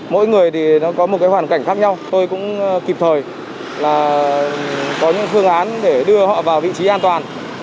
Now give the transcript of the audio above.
mỗi người có một hoàn cảnh khác nhau tôi cũng kịp thời có những phương án để đưa họ vào vị trí an toàn